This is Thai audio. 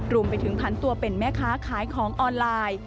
รวมไปถึงผันตัวเป็นแม่ค้าขายของออนไลน์